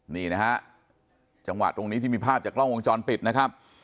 นี่นะฮะจังหวะตรงนี้ที่มีภาพจากกล้องวงจรปิดนะครับ